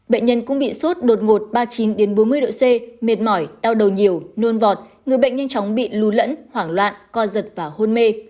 bệnh nhân cũng bị sốt đột ngột ba mươi chín bốn mươi độ c mệt mỏi đau đầu nhiều nôn vọt người bệnh nhanh chóng bị lù lẫn hoảng loạn co giật và hôn mê